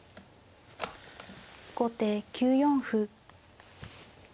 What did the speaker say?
後手９四歩。